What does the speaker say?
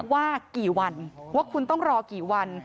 ว่ากี่วันว่าคุณต้องรอกี่วัน